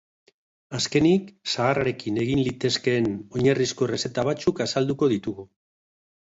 Azkenik, sagarrarekin egin litezkeen oinarrizko errezeta batzuk azalduko ditugu.